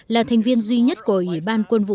là thành viên duy nhất của ủy ban quân vụ